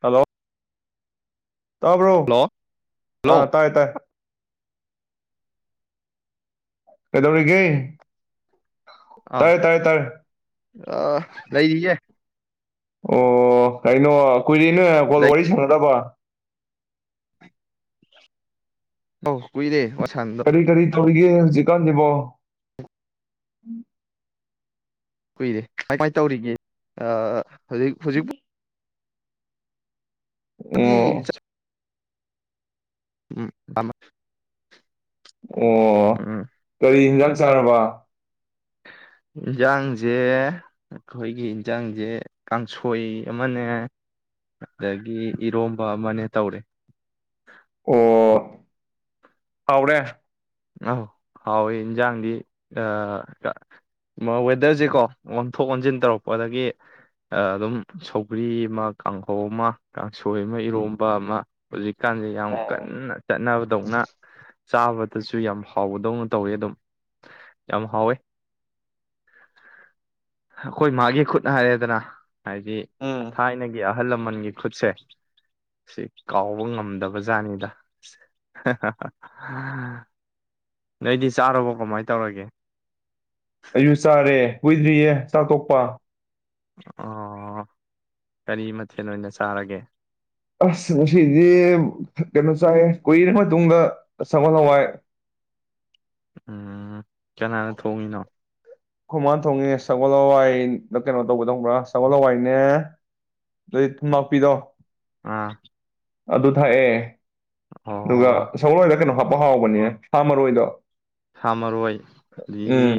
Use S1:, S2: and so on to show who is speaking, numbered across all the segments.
S1: hello ꯇꯥꯕ꯭ꯔꯣ
S2: hello hello
S1: ꯑꯥ ꯇꯥꯏ ꯇꯥꯏ ꯀꯩꯗꯧꯔꯤꯒꯦ
S2: ꯑꯥꯎ
S1: ꯇꯥꯔꯦ ꯇꯥꯔꯦ ꯇꯥꯔꯦ
S2: ꯑ ꯂꯩ [unintelligible]
S1: ꯑꯣ ꯀꯩꯅꯣ ꯀꯨꯏꯔꯅ ꯀꯣꯜ
S2: ꯂꯩ
S1: ꯋꯥꯔꯤ ꯁꯥꯟꯅꯗꯕ
S2: ꯑꯧ ꯀꯨꯏꯔꯦ ꯁꯥꯟꯅꯗꯕ
S1: ꯀꯔꯤ ꯀꯔꯤ ꯇꯧꯔꯤꯒꯦ ꯍꯧꯖꯤꯛꯀꯥꯟꯁꯤꯕꯨ
S2: ꯀꯨꯏꯔꯦ ꯀꯃꯥꯏꯅ ꯇꯧꯔꯤꯒꯦ [unintelligible] ꯍꯧꯖꯤꯛ ꯍꯧꯖꯤꯛ ꯑꯗꯨꯗꯤ
S1: ꯑꯣ
S2: ꯎꯝ [unintelligible]
S1: ꯑꯣ
S2: ꯎꯝ
S1: ꯀꯔꯤ ꯍꯦꯟꯖꯥꯡ ꯆꯥꯔꯕ
S2: ꯏꯟꯖꯥꯡꯁꯦ ꯑꯩꯈꯣꯏꯒꯤ ꯏꯟꯁꯥꯡꯁꯦ ꯀꯥꯡꯁꯣꯏ ꯑꯃꯅꯦ ꯑꯗꯒꯤ ꯏꯔꯣꯝꯕ ꯑꯃꯅꯦ ꯇꯧꯔꯦ
S1: ꯑꯣ ꯍꯥꯎꯔꯦ
S2: ꯍꯥꯎꯋꯦ ꯏꯟꯖꯥꯡꯗꯤ ꯋꯦꯗꯔꯁꯦꯀꯣ ꯑꯣꯟꯊꯣꯛ ꯑꯣꯟꯁꯤꯟ ꯇꯧꯔꯛꯄ ꯑꯗꯒꯤ ꯑꯗꯨꯝ ꯁꯒ꯭ꯔꯤ ꯑꯃ ꯀꯥꯡꯍꯧ ꯑꯃ ꯀꯥꯡꯁꯣꯏ ꯑꯃ ꯏꯔꯣꯝꯕ ꯑꯃ ꯍꯧꯖꯤꯛ ꯖꯤ ꯀꯥꯟꯁꯦ ꯌꯥꯝ ꯀꯟꯅ ꯆꯠꯅꯕ ꯗꯧꯅ ꯆꯥꯕ ꯇꯁꯨ ꯌꯥꯝ ꯍꯥꯎꯕꯗꯧꯅ ꯇꯧꯋꯤ ꯑꯗꯨꯝ ꯌꯥꯝ ꯍꯥꯎꯋꯦ ꯑꯩꯈꯣꯏ ꯃꯥꯒꯤ ꯈꯨꯠ ꯍꯥꯏꯔꯦꯗꯅ ꯍꯥꯏꯗꯤ
S1: ꯎꯝ
S2: ꯊꯥꯏꯅꯒꯤ ꯑꯍꯜ ꯂꯃꯟꯒꯤ ꯈꯨꯠ ꯅꯣꯏꯗꯤ ꯆꯥꯔꯕꯣ ꯀꯃꯥꯏꯅ ꯇꯧꯔꯒꯦ
S1: ꯑꯩꯁꯨ ꯆꯥꯔꯦ ꯀꯨꯏꯗ꯭ꯔꯤꯌꯦ ꯆꯥꯛꯊꯣꯛꯄ
S2: ꯑꯣ ꯀꯔꯤ ꯃꯊꯦꯜ ꯑꯣꯏꯅ ꯆꯥꯔꯒꯦ
S1: ꯑꯁ ꯉꯁꯤꯗꯤ ꯀꯩꯅꯣ ꯆꯥꯏ ꯀꯨꯏꯔꯕ ꯃꯇꯨꯡꯗ ꯁꯒꯣꯜ ꯍꯋꯥꯏ
S2: ꯎꯝ ꯀꯅꯥꯅ ꯊꯣꯡꯉꯤꯅꯣ
S1: ꯈꯣꯃꯥꯅ ꯊꯣꯡꯉꯦ ꯁꯒꯣꯜ ꯍꯋꯥꯏ ꯀꯩꯅꯣ ꯇꯧꯕꯗꯣ ꯈꯡꯕꯔꯥ ꯁꯒꯣꯜ ꯍꯋꯥꯏꯅꯦ ꯑꯗꯩ ꯊꯨꯝꯌꯥꯛꯄꯤꯗꯣ
S2: ꯑꯥ
S1: ꯑꯗꯨ ꯊꯥꯛꯑꯦ ꯑꯗꯨꯒ
S2: ꯑꯣ
S1: ꯁꯒꯣꯜ ꯍꯋꯥꯏꯗ ꯀꯩꯅꯣ ꯍꯥꯞꯄ ꯍꯥꯎꯕꯅꯦ ꯁꯥꯥ ꯃꯔꯣꯏꯗꯣ
S2: ꯁꯥꯃꯔꯣꯏ ꯑꯗꯒꯤ
S1: ꯎꯝ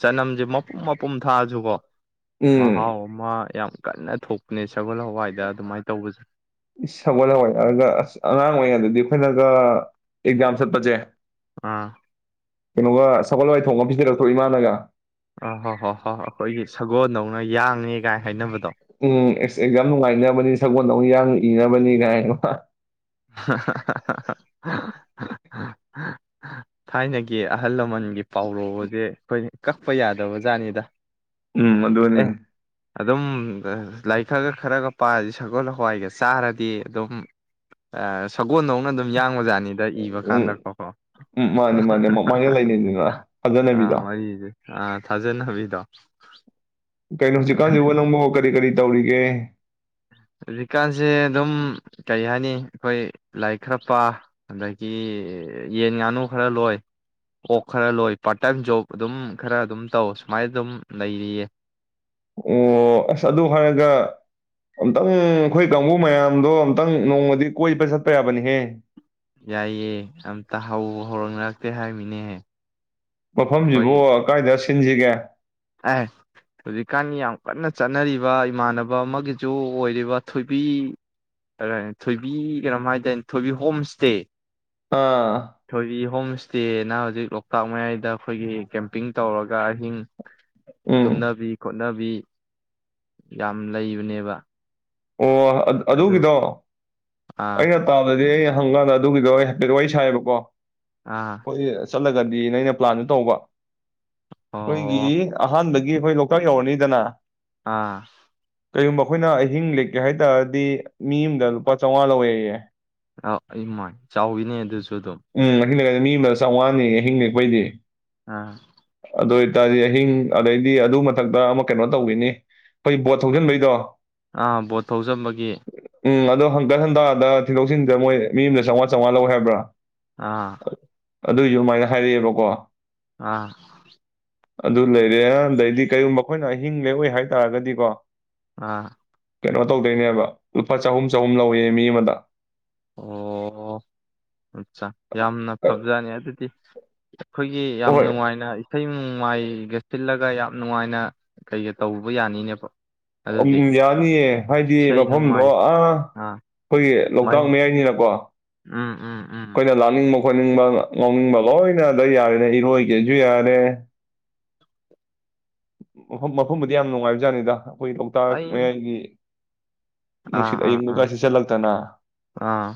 S2: ꯆꯅꯝꯁꯦ ꯄꯨꯝ ꯃꯄꯨꯝ ꯊꯥꯑꯁꯨꯀꯣ
S1: ꯎꯝ
S2: ꯃꯍꯥꯎꯑꯃ ꯌꯥꯝ ꯀꯟꯅ ꯊꯣꯛꯄꯅꯦ ꯁꯒꯣꯜ ꯍꯋꯥꯏꯗ ꯑꯗꯨꯃꯥꯏꯅ ꯇꯧꯕꯁꯦ
S1: ꯏꯁ ꯁꯒꯣꯜ ꯍꯋꯥꯏ ꯍꯥꯏꯔꯒ ꯑꯁ ꯑꯉꯥꯡ ꯑꯣꯏꯔꯤꯉꯩ ꯗꯗꯤ [unintelligible] ꯑꯦꯛꯖꯥꯝ ꯆꯠꯄꯁꯦ
S2: ꯑꯥ
S1: ꯀꯩꯅꯣꯒ ꯁꯒꯣꯜꯋꯥꯏ ꯊꯣꯡꯉ ꯄꯤꯖꯔꯛꯇꯔꯣ ꯏꯃꯥꯅꯒ
S2: ꯑꯥ ꯍꯣ ꯍꯣ ꯍ ꯍꯣ ꯑꯩꯈꯣꯏꯒꯤ ꯁꯒꯣꯜꯗꯧꯅ ꯌꯥꯡꯉꯦ ꯀꯥꯏ ꯍꯥꯏꯅꯕꯗꯣ
S1: ꯎꯝ ꯑꯦꯁ ꯑꯦꯛꯖꯥꯝ ꯅꯨꯡꯉꯥꯏꯅꯕꯅꯤ ꯁꯒꯣꯜꯗꯧꯅ ꯌꯥꯡꯅ ꯏꯅꯕ ꯅꯤꯍꯥꯏꯅꯥ
S2: [unintelligible] [unintelligible] ꯊꯥꯏꯅꯒꯤ ꯑꯍꯜ ꯂꯃꯟꯒꯤ ꯄꯥꯎꯔꯣꯁꯦ ꯑꯩꯈꯣꯏ ꯀꯛꯄ ꯌꯥꯗꯕ ꯖꯥꯠꯅꯤꯗ
S1: ꯎꯝ ꯑꯗꯨꯅꯤ
S2: ꯑꯦ ꯑꯗꯨꯝ ꯂꯥꯏꯔꯤꯛ ꯈꯔꯒ ꯈꯔꯒ ꯄꯥꯔꯗꯤ ꯁꯒꯣꯜ ꯍꯋꯥꯏꯒ ꯆꯥꯔꯗꯤ ꯑꯗꯨꯝ ꯁꯒꯣꯜꯗꯧꯅ ꯑꯗꯨꯝ ꯌꯥꯡꯕꯖꯥꯠꯅꯤ ꯗ ꯏꯕ
S1: ꯎꯝ
S2: ꯀꯥꯟꯗꯀꯣ
S1: ꯎꯝ ꯃꯥꯅꯦ ꯃꯥꯅꯦ ꯑꯃꯥꯏꯅ ꯂꯩꯅꯩꯗꯅ
S2: ꯑꯥ
S1: ꯊꯥꯖꯅꯕꯤꯗꯣ
S2: ꯋꯥꯔꯤꯁꯦ ꯑꯥ ꯊꯥꯖꯅꯕꯤꯗꯣ
S1: ꯀꯩꯅꯣ ꯍꯩꯖꯤꯛꯀꯥꯟꯁꯤꯕꯨ ꯅꯪꯕꯣ ꯀꯔꯤ ꯀꯔꯤ ꯇꯧꯔꯤꯒꯦ
S2: ꯍꯧꯖꯤꯛꯀꯥꯟꯁꯦ ꯑꯗꯨꯝ ꯀꯔꯤ ꯍꯥꯏꯅꯤ ꯑꯩꯈꯣꯏ ꯂꯥꯏꯔꯤꯛ ꯈꯔ ꯄꯥ ꯑꯗꯒꯤ ꯌꯦꯟ ꯉꯥꯅꯨ ꯈꯔ ꯂꯣꯏ ꯑꯣꯛ ꯈꯔ ꯂꯣꯏ ꯄꯥꯔꯠ ꯇꯥꯏꯝ ꯖꯣꯕ ꯑꯗꯨꯝ ꯈꯔ ꯑꯗꯨꯝ ꯇꯧ ꯁꯨꯃꯥꯏꯅ ꯑꯗꯨꯝ ꯂꯩꯔꯤꯌꯦ
S1: ꯑꯣ ꯑꯁ ꯑꯗꯨ ꯍꯥꯏꯔꯒ ꯑꯝꯇꯪ ꯑꯩꯈꯣꯏ ꯀꯥꯡꯕꯨ ꯃꯌꯥꯝꯗꯣ ꯑꯝꯇꯪ ꯅꯣꯡꯃꯗꯤ ꯀꯣꯏꯕ ꯆꯠꯄ ꯌꯥꯕꯅꯤꯍꯦ
S2: ꯌꯥꯏꯌꯦ ꯑꯝꯇ ꯍꯧꯕꯨ ꯍꯧꯔꯛꯅꯔꯛꯇꯦ ꯍꯥꯏꯔꯃꯤꯅꯦꯍꯦ
S1: ꯃꯐꯝꯁꯤꯕꯨ ꯀꯥꯏꯗ ꯁꯤꯟꯖꯤꯒꯦ
S2: ꯑꯦ ꯍꯧꯖꯤꯛꯀꯥꯟ ꯌꯥꯝ ꯀꯟꯅ ꯆꯠꯅꯔꯤꯕ ꯏꯃꯥꯟꯅꯕ ꯑꯃꯒꯤꯁꯨ ꯑꯣꯏꯔꯤꯕ ꯊꯣꯏꯕꯤ ꯊꯣꯏꯕꯤ ꯀꯩꯅꯣꯝ ꯍꯥꯏꯗꯥꯏꯅꯦ ꯊꯣꯏꯕꯤ ꯍꯣꯝ ꯏꯁꯇꯦ
S1: ꯑꯥ
S2: ꯊꯣꯏꯕꯤ ꯍꯣꯝ [unintelligible] ꯍꯧꯖꯤꯛ ꯂꯣꯛꯇꯥꯛ ꯃꯌꯥꯏꯗ ꯑꯩꯈꯣꯏꯒꯤ ꯀꯦꯝꯄꯤꯡ ꯇꯧꯔꯒ ꯑꯍꯤꯡ
S1: ꯎꯝ
S2: ꯇꯨꯝꯅꯕꯤ ꯈꯣꯠ [unintelligible] ꯌꯥꯝ ꯂꯩꯕꯅꯦꯕ
S1: ꯑꯣ
S2: ꯑꯗꯨ
S1: ꯑꯗꯨꯒꯤꯗꯣ
S2: ꯑꯥ
S1: ꯑꯩꯩꯅ ꯇꯗ ꯑꯗꯨ ꯑꯩ ꯍꯪꯀꯥꯟꯗ ꯑꯗꯨꯒꯤꯗꯣ ꯍꯥꯏꯐꯦꯠ ꯋꯥꯔꯤ ꯁꯥꯏꯑꯕꯀꯣ
S2: ꯑꯥ
S1: ꯆꯠꯂꯒꯗꯤ ꯅ ꯑꯩꯅ ꯄ꯭ꯂꯥꯟꯁꯨ ꯇꯧꯕ
S2: ꯑꯣ
S1: ꯑꯩꯈꯣꯏꯒꯤ ꯑꯍꯥꯟꯕꯗꯒꯤ ꯑꯩꯈꯣꯏ ꯂꯣꯛꯇꯥꯛ ꯌꯧꯔꯅꯤꯗꯅ
S2: ꯑꯥ
S1: ꯀꯔꯤꯒꯨꯝꯕ ꯑꯩꯈꯣꯏꯅ ꯑꯍꯤꯡ ꯀ ꯀꯩ ꯍꯥꯏꯇꯥꯔꯗꯤ ꯃꯤ ꯑꯃꯗ ꯂꯨꯄꯥ ꯆꯥꯝꯃꯉꯥ ꯂꯧꯋꯦꯌꯦ
S2: ꯑ ꯑꯩ ꯃꯥꯏ ꯆꯥꯎꯋꯅꯦ ꯑꯗꯨꯁꯨ ꯁꯗꯝ
S1: [unintelligible]
S2: ꯑꯥ
S1: ꯑꯗꯨ ꯑꯣꯏꯇꯥꯔꯗꯤ ꯑꯍꯤꯡ ꯑꯗꯩꯗꯤ ꯑꯗꯨ ꯃꯊꯛꯇ ꯑꯃ ꯀꯩꯅꯣ ꯇꯧꯈꯤꯅꯤ ꯑꯩꯈꯣꯏ ꯕꯣꯠ ꯊꯧꯁꯤꯟꯕꯩꯗꯣ
S2: ꯑꯥ ꯕꯣꯠ ꯊꯧꯖꯝꯕꯒꯤ
S1: ꯎꯝ ꯑꯗꯣ ꯍꯪꯀꯠ ꯍꯟꯇꯥꯗ ꯊꯤꯟꯗꯣꯛꯊꯤꯟꯖꯤꯟꯗ ꯃꯣꯏ ꯃꯤ ꯑꯃꯗ ꯆꯥꯝꯉ ꯆꯥꯝꯃꯉ ꯂꯧꯏ ꯍꯥꯏꯕ꯭ꯔꯥ
S2: ꯑꯥ
S1: ꯑꯗꯨꯏꯁꯨ ꯑꯗꯨꯃꯥꯏꯅ ꯍꯥꯏꯔꯛꯑꯦꯕꯀꯣ
S2: ꯑꯥ
S1: ꯑꯗꯨ ꯂꯩꯔꯦ ꯑꯗꯩꯗꯤ ꯀꯔꯤꯒꯨꯝꯕ ꯑꯩꯈꯣꯏꯅ ꯑꯍꯤꯡ ꯂꯦꯛꯑꯣꯏ ꯍꯥꯏꯇꯥꯥꯔꯒꯗꯤꯀꯣ
S2: ꯑꯥ
S1: ꯀꯩꯅꯣ ꯇꯧꯗꯣꯏꯅꯦꯕ ꯂꯨꯄꯥ ꯆꯍꯨꯝ ꯆꯍꯨꯝ ꯂꯧꯏꯦ ꯃꯤ ꯑꯃꯗ
S2: ꯑꯣ ꯑꯠꯆꯥ ꯌꯥꯝꯅ
S1: ꯑ,
S2: ꯐꯕꯖꯥꯅꯤ ꯑꯗꯨꯗꯤ [inaudible] ꯑꯩꯈꯣꯏꯒꯤ ꯌꯥꯝ
S1: ꯍꯣꯏ
S2: ꯅꯨꯡꯉꯥꯏꯅ ꯏꯁꯩ ꯅꯨꯡꯉꯥꯏꯒꯦ ꯁꯤꯜꯂꯒ ꯌꯥꯝ ꯅꯨꯡꯉꯥꯏꯅ ꯀꯩꯒ ꯇꯧꯕ ꯌꯥꯅꯤꯅꯦꯕ
S1: ꯎꯝ
S2: ꯑꯗꯨꯗꯤ
S1: ꯌꯥꯅꯤꯌꯦ ꯍꯥꯏꯗꯤ
S2: ꯏꯁꯩ
S1: ꯃꯐꯝꯗꯣ
S2: ꯅꯣꯡꯃꯥꯏ
S1: ꯑ
S2: ꯑꯥ
S1: ꯑꯩꯈꯣꯏꯒꯤ
S2: ꯃꯥꯏ
S1: ꯂꯣꯛꯇꯥꯛ ꯃꯌꯥꯏꯅꯤꯅꯀꯣ
S2: ꯎꯝ ꯎꯝ ꯎꯝ
S1: ꯑꯩꯈꯣꯏꯅ ꯂꯥꯛꯅꯤꯡꯕ ꯈꯣꯠꯅꯤꯡ ꯉꯅꯤꯡꯕ ꯂꯣꯏꯅꯗ ꯌꯥꯔꯦ ꯏꯔꯣꯏꯒꯦꯁꯨ ꯌꯥꯔꯦ ꯃꯐꯝ ꯃꯐꯝꯕꯨꯗꯤ ꯌꯥꯝ ꯅꯨꯡꯉꯥꯏꯕꯖꯥꯠꯅꯤꯗ ꯑꯩꯈꯣꯏ ꯂꯣꯛꯇꯥꯛ
S2: ꯑꯩ
S1: ꯃꯌꯥꯏꯒꯤ
S2: ꯑꯥ
S1: ꯅꯨꯡꯁꯤꯠ
S2: ꯑꯥ
S1: ꯑꯏꯤꯡꯕ
S2: ꯑꯥ
S1: ꯀꯥꯏꯁꯤ ꯁꯤꯠꯂꯛꯇꯅ
S2: ꯑꯥ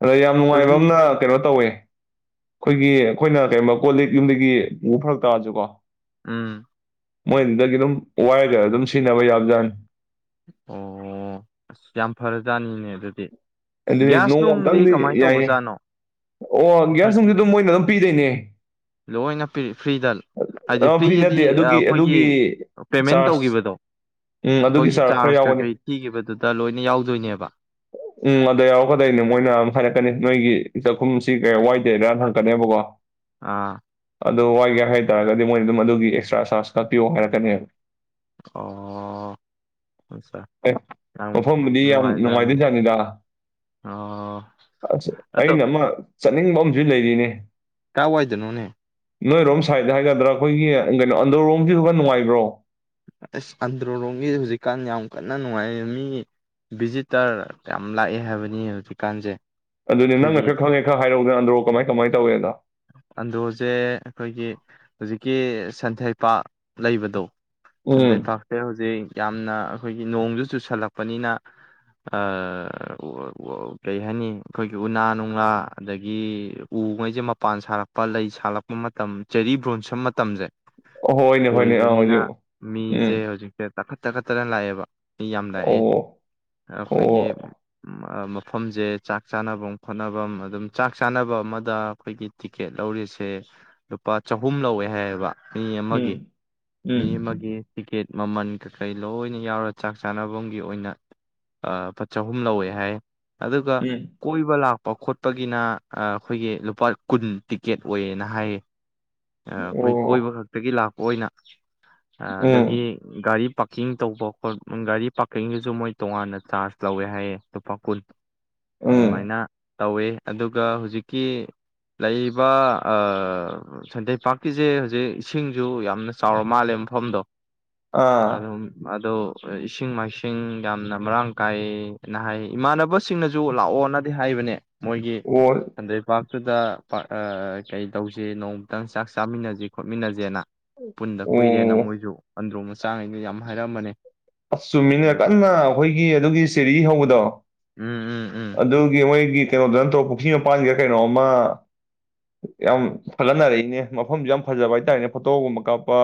S1: ꯑꯗ ꯌꯥꯝ ꯅꯨꯡꯉꯥꯏꯕ ꯑ
S2: ꯊꯣꯏꯕꯤ
S1: ꯑꯃꯅ ꯀꯩꯅꯣ ꯇꯧꯋꯦ ꯑꯩꯈꯣꯏꯒꯤ ꯑꯩꯈꯣꯏꯅ ꯀꯩꯕ ꯀꯣꯜ ꯂꯤꯛ ꯌꯨꯝꯗꯒꯤ ꯃꯛ ꯐꯔꯛ ꯇꯥꯔꯁꯨ ꯀꯣ
S2: ꯎꯝ
S1: ꯃꯣꯏꯗꯨꯗꯒꯤ ꯑꯗꯨꯝ ꯋꯥꯏꯒ ꯑꯗꯨꯝ ꯁꯤꯖꯤꯟꯅꯕ ꯌꯥꯕꯖꯥꯠꯅꯤ
S2: ꯑꯣ ꯑꯁ ꯌꯥꯝ ꯐꯔꯖꯥꯠꯅꯤꯅꯦ ꯑꯗꯨꯗꯤ
S1: ꯑꯦ
S2: ꯒ꯭ꯌꯥꯁ
S1: ꯅꯣꯡꯃ
S2: ꯅꯨꯡꯗꯤ
S1: ꯀꯪꯗꯤ
S2: ꯀꯃꯥꯏꯅ
S1: ꯌꯥꯏꯌꯦ
S2: ꯇꯧꯕꯖꯥꯠꯅꯣ
S1: ꯑꯣ ꯒ꯭ꯌꯥꯁ
S2: ꯑꯩꯈꯣꯏꯒꯤ
S1: ꯁꯤꯡꯁꯤ ꯑꯗꯨꯝ ꯃꯣꯏꯅ ꯑꯗꯨꯝ ꯄꯗꯅꯦ
S2: ꯂꯣꯏꯅ ꯐ꯭ꯔꯤꯗꯜ ꯍꯥꯏꯗꯤ
S1: ꯑ ꯐ꯭ꯔꯤ
S2: ꯐ꯭ꯔꯤꯗꯤ
S1: ꯅꯠꯇꯦ ꯑꯗꯨꯒꯤ
S2: ꯑꯩꯈꯣꯏꯒꯤ
S1: ꯑꯗꯨꯒꯤ
S2: ꯄꯦꯃꯦꯟ
S1: ꯆꯥꯔꯖ
S2: ꯇꯧꯈꯤꯕꯗꯣ
S1: ꯎꯝ ꯑꯗꯨꯒꯤ
S2: ꯑꯩꯈꯣꯏꯒꯤ
S1: ꯈꯔ
S2: ꯆꯥꯔꯖ
S1: ꯌꯥꯎꯒꯅꯤ
S2: ꯀꯩꯀꯩ ꯊꯤꯈꯤꯕꯗꯨꯗ ꯂꯣꯏꯅ ꯌꯥꯎꯗꯕ ꯕ
S1: ꯎꯝ ꯑꯗ ꯌꯥꯎꯔꯛꯀꯗꯣꯏꯅꯦ ꯃꯣꯏꯅ ꯑꯗꯨꯝ ꯍꯥꯏꯔꯛꯀꯅꯤ ꯅꯣꯏꯒꯤ ꯆꯥꯛꯈꯨꯝꯁꯤ ꯀꯩ ꯋꯥꯏꯗꯦꯗꯔꯅ ꯍꯪꯛꯀꯅꯦꯕꯀꯣ
S2: ꯑꯥ
S1: ꯑꯗꯨ ꯋꯥꯏꯒꯦ ꯍꯥꯏꯇꯥꯥꯔꯒꯗꯤ ꯃꯣꯏꯅ ꯑꯗꯨꯝ ꯑꯗꯨꯒꯤ ꯑꯦꯛꯁꯇ꯭ꯔꯥ ꯆꯥꯔꯖ ꯀꯥꯛꯄꯤꯌꯣ ꯍꯥꯏꯔꯛꯀꯅꯦꯕ
S2: ꯑꯣ ꯑꯆꯥ
S1: ꯑꯦ
S2: ꯅꯨꯡ ꯍꯥꯏꯥꯏꯖꯥꯅꯤ
S1: ꯗ ꯑꯁ
S2: ꯑꯗꯣ
S1: ꯑꯩꯅ ꯑꯃ ꯆꯠꯅꯤꯡꯕ ꯑꯃꯁꯨ ꯂꯩꯔꯤꯅꯤ
S2: ꯀꯥꯏ ꯋꯥꯏꯗꯅꯣꯅꯦ
S1: ꯅꯣꯏꯔꯣꯝ ꯁꯥꯏꯠ ꯍꯥꯏꯒꯗ꯭ꯔꯥ ꯑꯩꯈꯣꯏꯒꯤ ꯀꯩꯅꯣ ꯑꯟꯗꯔꯔꯣꯝꯁꯤꯁꯨ ꯈꯔ ꯅꯨꯡꯉꯥꯏꯕ꯭ꯔꯣ
S2: ꯑꯁ ꯑꯟꯗ꯭ꯔꯣꯔꯣꯝꯒꯤ ꯍꯧꯖꯤꯛꯀꯥꯟ ꯌꯥꯝ ꯀꯟꯅ ꯅꯨꯡꯉꯥꯏ ꯃꯤ ꯚꯤꯖꯤꯇꯔ ꯌꯥꯝ ꯂꯥꯛꯑꯦ ꯍꯥꯏꯕꯅꯤ ꯍꯧꯖꯤꯛꯀꯥꯟꯁꯦ
S1: ꯑꯗꯨꯅꯦ
S2: ꯑꯩꯈꯣꯏꯒꯤ
S1: ꯅꯪꯅ ꯈꯔ ꯈꯪꯉꯦ ꯈꯔ ꯍꯥꯏꯔꯧꯗꯅ ꯄꯟ꯭ꯔꯣ ꯀꯃꯥꯏ ꯀꯃꯥꯏ ꯇꯧꯋꯦꯗ
S2: ꯑꯟꯗ꯭ꯔꯣꯁꯦ ꯑꯩꯈꯣꯏꯒꯤ ꯍꯧꯖꯤꯛꯀꯤ ꯁꯟꯊꯩ ꯄꯥ ꯂꯩꯕꯗꯣ
S1: ꯎꯝ
S2: ꯁꯟꯗꯩ ꯄꯥꯛꯁꯦ ꯍꯧꯖꯤꯛ ꯌꯥꯝꯅ ꯑꯩꯈꯣꯏꯒꯤ ꯅꯣꯡꯁꯨ ꯆꯨꯁꯜꯂꯛꯄꯅꯤꯅ ꯀꯩ ꯍꯥꯏꯅꯤ ꯑꯩꯈꯣꯏꯒꯤ ꯎꯅꯥ ꯅꯨꯡꯂꯥ ꯑꯗꯒꯤ ꯎꯉꯩꯁꯦ ꯃꯄꯥꯟ ꯁꯥꯔꯛꯄ ꯂꯩ ꯁꯥꯠꯂꯛꯄ ꯃꯇꯝ ꯆꯦꯔꯤ ꯕ꯭ꯔꯣꯟꯁꯝ ꯃꯇꯝꯁꯦ
S1: ꯍꯣꯏꯅꯦ ꯍꯣꯏꯅꯦ ꯑꯥ ꯍꯧꯖꯤꯛ ꯎꯝ
S2: ꯆꯥꯈꯠ ꯆꯥꯈꯠꯇꯅ ꯂꯥꯛꯑꯦꯕ ꯁꯤ ꯌꯥꯝ ꯂꯥꯛꯑꯦ
S1: ꯑꯣ
S2: ꯑꯩꯈꯣꯏꯒꯤ
S1: ꯑꯣ
S2: ꯃꯐꯝꯁꯦ ꯆꯥꯛ ꯆꯥꯅꯐꯝ ꯈꯣꯠꯅꯐꯝ ꯑꯗꯨꯝ ꯆꯥꯛ ꯆꯥꯅꯕ ꯑꯃꯗ ꯑꯩꯈꯣꯏꯒꯤ ꯇꯤꯛꯀꯦꯠ ꯂꯧꯔꯤꯁꯦ ꯂꯨꯄꯥ ꯆꯍꯨꯝ ꯂꯧꯋꯦ ꯍꯥꯏꯌꯦꯕ ꯃꯤ ꯑꯃꯒꯤ
S1: ꯎꯝ
S2: ꯃꯤ
S1: ꯎꯝ
S2: ꯑꯃꯒꯤ ꯇꯤꯀꯦꯠ ꯃꯃꯜ ꯀꯩꯀꯩ ꯂꯣꯏꯅ ꯌꯥꯎꯔ ꯆꯥꯛ ꯆꯥꯅꯕꯒꯤ ꯑꯣꯏꯅ ꯆꯍꯨꯝ ꯂꯧꯋꯦ ꯍꯥꯏ ꯑꯗꯨꯒ
S1: ꯎꯝ
S2: ꯀꯣꯏꯕ ꯂꯥꯛꯄ ꯄꯥꯎꯈꯣꯠꯄꯒꯤꯅ ꯑꯩꯈꯣꯏꯒꯤ ꯂꯨꯄꯥ ꯀꯨꯟ ꯇꯤꯛꯀꯦꯠ ꯑꯣꯏꯌꯦꯅ ꯍꯥꯏꯌꯦ ꯑ ꯑꯩꯈꯣꯏ ꯀꯣꯏꯕ
S1: ꯑꯣ
S2: ꯈꯛꯇꯒꯤ ꯂꯥꯛ ꯑꯣꯏꯅ ꯑ
S1: ꯎꯝ
S2: ꯑꯗꯒꯤ ꯒꯥꯔꯤ ꯄꯥ ꯄꯥꯔꯀꯤꯡ ꯇꯧꯕ [unintelligible] ꯒꯥꯔꯤ ꯄꯥꯔꯀꯤꯡꯗꯨꯁꯨ ꯃꯣꯏ ꯇꯣꯉꯥꯟꯅ ꯆꯥꯔꯖ ꯂꯧꯋꯦ ꯍꯥꯏꯌꯦꯦ ꯂꯨꯄꯥ ꯀꯨꯟ
S1: ꯎꯝ
S2: ꯑꯗꯨꯃꯥꯏꯅ ꯇꯧꯋꯦ ꯑꯗꯨꯒ ꯍꯧꯖꯤꯛꯀꯤ ꯂꯩꯔꯤꯕ ꯑ ꯁꯟꯊꯩ ꯄꯥꯛ ꯀꯤꯁꯦ ꯍꯧꯖꯤꯛ ꯏꯁꯤꯡꯁꯨ ꯌꯥꯝꯅ ꯆꯥꯎꯔ ꯃꯥꯜꯂꯦ ꯃꯐꯝꯗꯣ
S1: ꯑꯥ
S2: ꯑꯗꯨꯝ ꯑꯗꯣ ꯏꯁꯤꯡ ꯃꯥꯏꯁꯤꯡ ꯌꯥꯝꯅ ꯃꯔꯥꯡ ꯀꯥꯏꯅ ꯍꯥꯏ ꯏꯃꯥꯟꯅꯕꯁꯤꯡꯅꯁꯨ ꯂꯥꯛꯑꯣꯅꯗꯤ ꯍꯥꯏꯕꯅꯦ ꯃꯣꯏꯒꯤ
S1: ꯑꯣ
S2: ꯁꯟꯗꯩꯄꯥꯛ ꯑꯗꯨꯨꯗ ꯀꯩꯇꯧꯁꯦ ꯅꯣ ꯈꯤꯇꯪ ꯆꯥꯛ ꯆꯥꯃꯤꯟꯅꯁꯦ ꯈꯣꯠꯃꯤꯟꯅꯁꯦꯅ ꯄꯨꯟꯗ ꯀꯨꯏꯔꯦꯅ
S1: ꯑꯣ
S2: ꯃꯣꯏꯁꯨ ꯑꯟꯗ꯭ꯔꯣ [unintelligible] ꯌꯥꯝ ꯍꯥꯏꯔꯑꯝꯕꯅꯦ
S1: ꯑꯁ ꯆꯨꯝꯃꯤꯅ ꯀꯟꯅ ꯑꯩꯈꯣꯏꯒꯤ ꯑꯗꯨꯒꯤ ꯆꯦꯔꯤ ꯍꯧꯕꯗꯣ
S2: ꯎꯝ ꯎꯝ ꯎꯝ
S1: ꯑꯗꯨꯒꯤ ꯃꯣꯏꯒꯤ ꯀꯩꯅꯣꯗꯣ ꯅꯠꯇ꯭ꯔꯣ ꯄꯨ꯭ꯔꯈꯤ ꯃꯄꯥꯟꯒꯤꯔ ꯀꯩꯅꯣꯝ ꯑꯃ ꯌꯥꯝ ꯊꯠꯒꯠꯅꯔꯛꯏꯅꯦ ꯃꯐꯝꯁꯨ ꯌꯥꯝ ꯐꯖꯕ ꯍꯥꯏꯇꯥꯔꯦꯅꯦ ꯐꯣꯇꯣꯒꯨꯝꯕ ꯀꯥꯞꯄ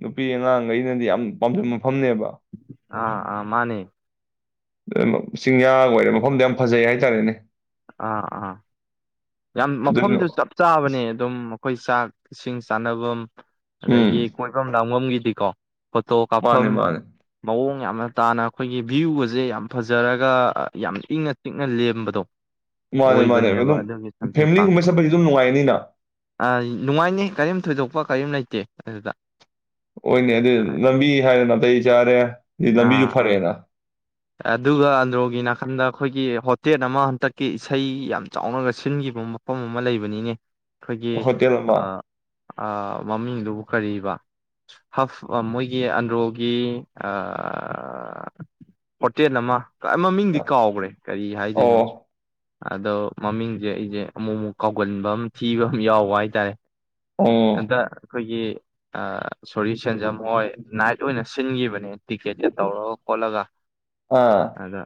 S1: ꯅꯨꯄꯤ ꯑꯉꯥꯡꯈꯩꯅꯗꯤ ꯌꯥꯝ ꯄꯥꯝꯖꯕ ꯃꯐꯝꯅꯦꯕ
S2: ꯑꯥ ꯑꯥ ꯃꯥꯅꯦ
S1: ꯆꯤꯡꯌꯥꯒ ꯑꯣꯏꯔ ꯃꯐꯝꯗꯣ ꯌꯥꯝ ꯐꯖꯩ ꯍꯥꯏꯇꯥꯔꯦꯅꯦ
S2: ꯑꯥ ꯑꯥ ꯌꯥꯝ
S1: ꯑꯗꯨꯅ
S2: ꯃꯐꯝꯁꯨ ꯆꯞ ꯆꯥꯕꯅꯦ ꯑꯗꯨꯝ ꯑꯩꯈꯣꯏ ꯆꯥꯛ ꯏꯁꯤꯡ ꯆꯥꯅꯕꯝ
S1: ꯎꯝ
S2: ꯑꯗꯒꯤ ꯀꯣꯏꯐꯝ ꯂꯥꯡꯐꯝꯒꯤꯗꯤ ꯗꯤꯀꯣ ꯐꯣꯇꯣ ꯀꯥꯞꯐꯝ
S1: ꯃꯥꯅꯦ ꯃꯥꯅꯦ
S2: ꯃꯑꯣꯡ ꯌꯥꯝꯅ ꯇꯥꯅ ꯑꯩꯈꯣꯏꯒꯤ ꯚ꯭ꯌꯨꯒꯁꯦ ꯌꯥꯝ ꯐꯖꯔꯒ ꯌꯥꯝ ꯏꯪꯅ ꯆꯤꯛꯅ ꯂꯦꯝꯕꯗꯣ
S1: ꯃꯥꯅꯦ ꯃꯥꯅꯦ
S2: ꯑꯣꯏꯕꯅꯦꯕ
S1: ꯑꯗꯨꯝ
S2: ꯑꯗꯨꯒꯤ ꯁꯟꯊꯩ
S1: ꯐꯦꯃꯤꯂꯤꯒꯨꯝꯕ
S2: ꯄꯥꯛꯇꯣ
S1: ꯆꯠꯄꯁꯨ ꯑꯗꯨꯝ ꯅꯨꯡꯉꯥꯏꯅꯤꯅ
S2: ꯅꯨꯡꯉꯥꯏꯅꯤ ꯀꯔꯤꯝ ꯊꯣꯏꯗꯣꯛꯄ ꯀꯔꯤꯝ ꯂꯩꯇꯦ ꯑꯗꯨꯗ
S1: ꯍꯣꯏꯅꯦ ꯑꯗꯨ ꯂꯝꯕꯤ ꯍꯥꯏꯔꯦ ꯅꯥꯇꯩ ꯆꯥꯔꯦ ꯂꯝꯕꯤꯁꯨ
S2: ꯑꯥ ꯑꯥ
S1: ꯐꯔꯦꯅ
S2: ꯑꯗꯨꯒ ꯑꯟꯗ꯭ꯔꯣꯒꯤ ꯅꯥꯀꯟꯗ ꯑꯩꯈꯣꯏꯒꯤ ꯍꯣꯇꯦꯜ ꯑꯃ ꯍꯟꯇꯛꯀꯤ ꯏꯁꯩ ꯌꯥꯝ ꯆꯥꯎꯅꯒ ꯁꯤꯟꯈꯤꯕ ꯃꯐꯝ ꯑꯃ ꯂꯩꯕꯅꯤꯅꯦ ꯑꯩꯈꯣꯏꯒꯤ
S1: ꯍꯣꯇꯦꯜ ꯑꯃ
S2: ꯃꯃꯤꯡꯗꯨꯕꯨ ꯀꯔꯤꯕ ꯍꯞ ꯃꯣꯏꯒꯤ ꯑꯟꯗ꯭ꯔꯣꯒꯤ ꯑ ꯍꯣꯇꯦꯜ ꯑꯃ ꯃꯃꯤꯡꯗꯤ ꯀꯥꯎꯈ꯭ꯔꯦ ꯀꯔꯤ ꯍꯥꯏꯗꯣꯏꯅꯣ
S1: ꯑꯣ
S2: ꯑꯗꯣ ꯃꯃꯤꯡꯁꯦ ꯑꯩꯖꯦ ꯑꯃꯨꯛ ꯑꯃꯨꯛ ꯀꯥꯎꯒꯟꯕ ꯑꯃ ꯊꯤꯕ ꯑꯃ ꯌꯥꯎꯕ ꯍꯥꯏꯇꯥꯔꯦ
S1: ꯑꯣ
S2: ꯑꯥꯗ ꯑꯩꯈꯣꯏꯒꯤ ꯁꯣꯔꯤ ꯁꯦꯟꯖꯝ ꯍꯣꯏ ꯅꯥꯏꯠ ꯑꯣꯏꯅ ꯁꯤꯟꯈꯤꯕꯅꯦ ꯇꯤꯀꯦꯠꯀ ꯇꯧꯔꯒ ꯈꯣꯠꯂꯒ
S1: ꯑꯥ
S2: ꯑꯗ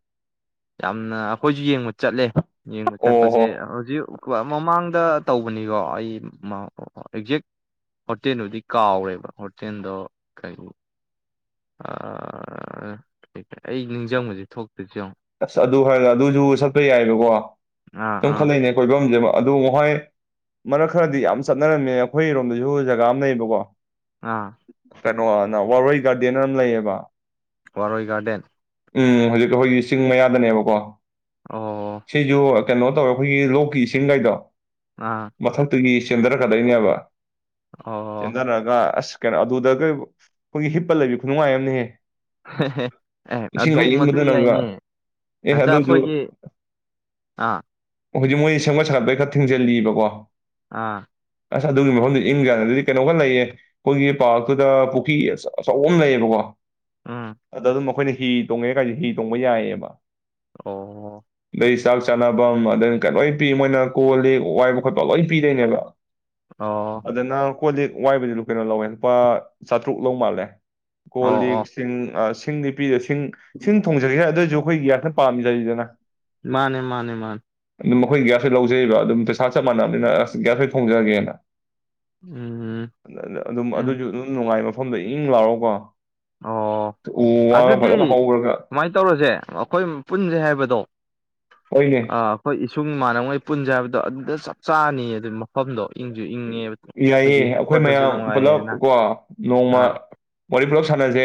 S2: ꯌꯥꯝꯅ ꯑꯩꯈꯣꯏꯁꯨ ꯌꯦꯡꯕ ꯆꯠꯂꯦ ꯌꯦꯡꯕ
S1: ꯑꯣ
S2: ꯆꯠꯄꯁꯦ
S1: ꯍꯣ
S2: ꯍꯧꯖꯤꯛ ꯃꯃꯥꯡꯗ ꯇꯧꯕꯅꯤꯀꯣ ꯑꯩ ꯑꯦꯛꯖꯦꯛ ꯍꯣꯇꯦꯜꯗꯨꯗꯤ ꯀꯥꯎꯔꯦꯕ ꯍꯣꯇꯦꯜꯗꯣ ꯀꯩ ꯑꯩ ꯅꯤꯡꯁꯤꯡꯕꯁꯦ ꯊꯣꯛꯇꯦ
S1: ꯑꯁ ꯑꯗꯨ ꯍꯥꯏꯔꯒ ꯑꯗꯨꯁꯨ ꯁꯠꯄ ꯌꯥꯏꯑꯕꯀꯣ
S2: ꯑꯥ
S1: ꯛꯃ
S2: ꯑꯥ
S1: ꯈꯜꯂꯛꯅꯦ ꯀꯣꯏꯐꯝꯁꯦ ꯑꯗꯨ ꯃꯣ ꯃꯔꯛ ꯈꯔꯗꯤ ꯌꯥꯝ ꯆꯠꯅꯔꯝꯃꯦ ꯑꯩꯈꯣꯏ ꯔꯣꯝꯗꯁꯨ ꯖꯒꯥ ꯑꯃ ꯂꯩꯌꯦꯕꯀꯣ
S2: ꯑꯥ
S1: ꯀꯩꯅꯣꯅ ꯋꯥꯔꯣꯏ ꯒꯥꯔꯗꯦꯟ ꯑꯃ ꯂꯩꯌꯦꯕ
S2: ꯋꯥꯔꯣꯏ ꯒꯥꯔꯗꯦꯟ
S1: ꯎꯝ ꯍꯧꯖꯤꯛ ꯑꯩꯈꯣꯏꯒꯤ ꯆꯤꯡ ꯃꯌꯥꯗꯅꯦꯕꯀꯣ
S2: ꯑꯣ
S1: ꯁꯤꯖꯨ ꯀꯩꯅꯣ ꯇꯧꯋꯦ ꯑꯩꯈꯣꯏꯒꯤ ꯂꯣꯛꯀꯤ ꯏꯁꯤꯡꯒꯩꯗꯣ
S2: ꯑꯥ
S1: ꯃꯊꯛꯇꯒꯤ ꯆꯦꯟꯗꯔꯛꯗꯣꯏꯅꯦꯕ
S2: ꯑꯣ
S1: ꯆꯦꯟꯗꯔꯛꯒꯥ ꯀꯩꯅꯣ ꯑꯗꯨꯗꯒ ꯑꯩꯈꯣꯏꯒꯤ ꯍꯤꯞꯄ ꯂꯩꯕꯤ ꯈꯨꯅꯨꯡꯉꯥꯏ ꯑꯃꯅꯤꯍꯦ
S2: ꯑꯦ ꯑꯗꯨ ꯃꯗꯨ
S1: ꯑꯏꯪꯕꯗꯨꯅꯒ
S2: ꯌꯥꯏꯅꯦ
S1: ꯑꯦ
S2: ꯍꯟꯇ
S1: ꯑꯗꯨꯖꯨ
S2: ꯑꯩꯈꯣꯏꯒꯤ ꯑꯥ
S1: ꯍꯧꯖꯤꯛ ꯃꯣꯏ ꯁꯦꯝꯒꯠ ꯁꯥꯒꯠꯄꯒꯤ ꯈꯔ ꯊꯤꯡꯖꯤꯜꯂꯤꯕꯀꯣ
S2: ꯑꯥ
S1: ꯑꯁ ꯑꯗꯨꯒꯤ ꯃꯐꯝꯗꯨ ꯏꯪꯖꯗ ꯑꯗꯨꯗꯤ ꯀꯩꯅꯣꯝ ꯈꯔ ꯂꯩꯌꯦ ꯑꯩꯈꯣꯏꯒꯤ ꯄꯥꯔꯛꯇꯨꯗ ꯄꯨꯈ꯭ꯔꯤ ꯑꯆꯧꯕ ꯑꯃ ꯂꯩꯌꯦꯕꯀꯣ
S2: ꯎꯝ
S1: ꯑꯗꯣ ꯑꯗꯨꯝ ꯑꯩꯈꯣꯏꯟ ꯍꯤ ꯇꯣꯡꯉꯦ ꯀꯥꯏꯦ ꯍꯤ ꯇꯣꯡꯕ ꯌꯥꯏꯑꯕ [inaudible]
S2: ꯑꯣ
S1: ꯆꯥꯛ ꯆꯥꯅꯐꯝ ꯑꯩ ꯀ ꯂꯣꯏ ꯄꯤ ꯃꯣꯏꯅ ꯀꯣꯜ ꯂꯤꯛ ꯋꯥꯏꯕ ꯈꯣꯠꯄ ꯂꯣꯏ ꯄꯤꯗꯣꯏꯅꯦꯕ
S2: ꯑꯣ
S1: ꯑꯗ ꯅ ꯀꯣꯜꯂꯤꯛ ꯋꯥꯏꯕꯗꯨ ꯂ ꯀꯩꯅꯣ ꯂꯧꯋꯦ ꯂꯨꯄꯥ ꯆꯥꯇ꯭ꯔꯨꯛ ꯂꯧ ꯃꯥꯜꯂꯦ ꯀꯣꯜ
S2: ꯑꯣ ꯑꯣ
S1: ꯂꯤꯛ ꯁꯤꯡ ꯁꯤꯡꯗꯤ ꯄꯤꯔꯁꯤ ꯁꯤꯡ ꯊꯣꯡꯖꯒꯦ ꯑꯗꯨꯑꯣꯏꯁꯨ [unintelligible]
S2: ꯃꯥꯅꯦ ꯃꯥꯅꯦ ꯃꯥꯅꯦ
S1: ꯑꯗꯨꯝ ꯃꯈꯣꯏ ꯒ꯭ꯌꯥꯁꯣꯏ ꯂꯧꯖꯩꯕ ꯑꯗꯨꯝ ꯄꯩꯁꯥ ꯆꯞ ꯃꯥꯟꯅꯕꯅꯤꯅ ꯑꯁ ꯒ꯭ꯌꯥꯁ ꯑꯣꯏꯅ ꯊꯣꯡꯖꯔꯒꯦꯅ
S2: ꯎꯝ
S1: ꯑꯗꯨꯝ
S2: ꯎꯝ
S1: ꯑꯗꯨꯁꯨ ꯑꯗꯨꯝ ꯅꯨꯡꯉꯥꯏꯕ ꯃꯐꯝꯗ ꯏꯪ ꯂꯥꯑꯣꯔꯒꯀꯣ
S2: ꯑꯣ ꯑꯗꯨꯗꯤ
S1: ꯍꯧꯔꯒ
S2: ꯁꯨꯃꯥꯏ ꯇꯧꯔꯁꯦ ꯑꯩꯈꯣꯏ ꯄꯨꯟꯁꯦ ꯍꯥꯏꯕꯗꯣ
S1: ꯍꯣꯏꯅꯦ
S2: ꯑ ꯑꯩꯈꯣꯏ ꯏꯁꯨꯡ ꯏꯃꯥꯟꯅꯕꯉꯩ ꯄꯨꯟꯁꯩ ꯍꯥꯏꯕꯗꯣ ꯑꯗꯨꯗ ꯆꯞ ꯆꯥꯅꯤ ꯑꯗꯨ ꯃꯐꯝꯗꯣ ꯏꯪꯁꯨ ꯏꯪꯉꯦ
S1: ꯌꯥꯏꯌꯦꯦ
S2: ꯑꯩꯈꯣꯏꯒꯤ
S1: ꯑꯩꯈꯣꯏ
S2: ꯍꯤꯞꯄꯗꯁꯨ
S1: ꯃꯌꯥꯝ ꯄꯨꯂꯞ
S2: ꯅꯨꯡꯉꯥꯏꯌꯦꯅ
S1: ꯀꯣ ꯅꯣꯡꯃ
S2: ꯑꯥ
S1: ꯋꯥꯔꯤ ꯄꯨꯂꯞ ꯁꯥꯟꯅꯖꯦ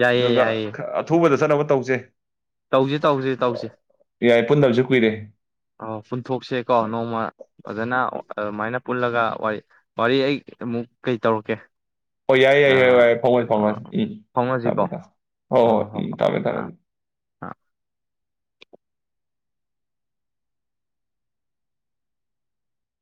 S2: ꯌꯥꯏꯌꯦ
S1: ꯑꯗꯨꯒ
S2: ꯌꯥꯏꯌꯦ
S1: ꯑꯊꯨꯕꯗ ꯐꯖꯅꯕ ꯇꯧꯖꯩ
S2: ꯇꯧꯁꯤ ꯇꯧꯁꯤ
S1: ꯌꯥꯏ ꯄꯨꯟꯗꯕꯁꯨ ꯀꯨꯏꯔꯦ
S2: ꯑꯣ ꯄꯨꯟꯊꯣꯛꯁꯦꯀꯣ ꯅꯣꯡꯃ ꯐꯖꯅ ꯑꯗꯨꯃꯥꯏꯅ ꯄꯨꯜꯂꯒ ꯋꯥꯔꯤ ꯑꯩ ꯑꯃꯨꯛ ꯀꯩ ꯇꯧꯔꯛꯀꯦ
S1: ꯍꯣꯏ ꯌꯥꯏꯌꯦ
S2: ꯑ
S1: ꯌꯥꯏꯌꯦ ꯌꯥꯏ ꯐꯧꯅꯁꯤ
S2: ꯑ
S1: ꯐꯧꯅꯁꯤ ꯎꯝ
S2: ꯐꯥꯎꯅꯁꯤꯀꯣ
S1: ꯊꯝꯃꯣ ꯊꯝꯃꯣ ꯍꯣꯏ
S2: ꯑ
S1: ꯍꯣꯏ ꯎꯝ ꯊꯝꯃꯦ
S2: ꯑꯥ ꯑꯥ
S1: ꯊꯝꯃꯦ